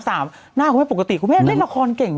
หน้าน่าออกเป็นปกติคุณแม่เล่นละครเก่ง